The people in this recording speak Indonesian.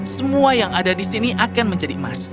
semua yang ada di sini akan menjadi emas